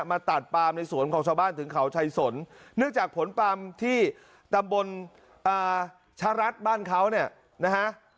มาตัดปามในสวนของชาวบ้านถึงเขาชัยสนเนื่องจากผลปาล์มที่ตำบลชะรัฐบ้านเขาเนี่ยนะฮะ